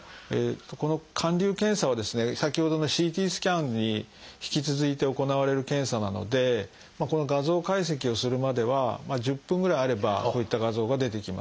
この灌流検査はですね先ほどのＣＴスキャンに引き続いて行われる検査なのでこの画像解析をするまでは１０分ぐらいあればこういった画像が出てきます。